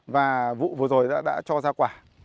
và vụ vừa rồi đã cho ra quả